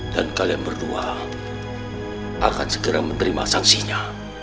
dan kalian berdua akan segera menerima sanksinya